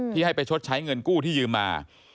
ให้ไปชดใช้เงินกู้ที่ยืมมา